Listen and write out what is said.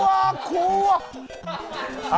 怖っ！